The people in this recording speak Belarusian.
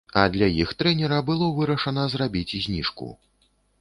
А для іх трэнера было вырашана зрабіць зніжку.